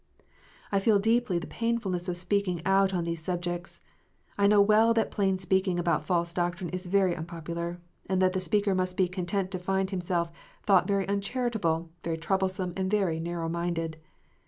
I feel deeply the paiufulness of speaking out on these subjects. I know well that plain speaking about false doctrine is very unpopular, and that the speaker must be content to find himself thought very uncharitable, very troublesome, and very narrow minded.